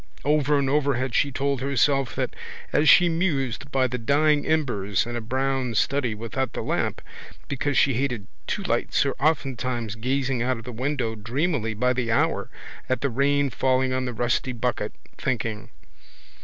Over and over had she told herself that as she mused by the dying embers in a brown study without the lamp because she hated two lights or oftentimes gazing out of the window dreamily by the hour at the rain falling on the rusty bucket, thinking.